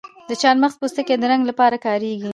د چارمغز پوستکی د رنګ لپاره کاریږي؟